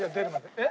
えっ？